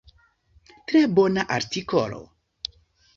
Tre bona artikolo!